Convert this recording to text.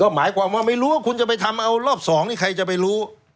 หมายความว่าไม่รู้ว่าคุณจะไปทำเอารอบ๒นี่ใครจะไปรู้